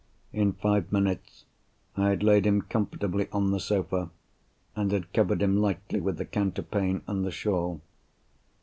In five minutes I had laid him comfortably on the sofa, and had covered him lightly with the counterpane and the shawl.